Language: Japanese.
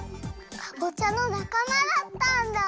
かぼちゃのなかまだったんだ！